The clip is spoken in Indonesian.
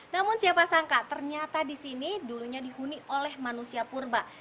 namun siapa sangka ternyata di sini dulunya dihuni oleh manusia purba